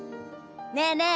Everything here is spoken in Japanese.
ねえねえ